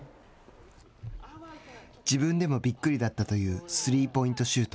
自分でもびっくりだったというスリーポイントシュート。